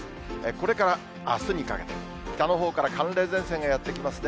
これからあすにかけて、北のほうから寒冷前線がやって来ますね。